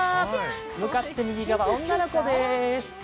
向かって右側が女の子です。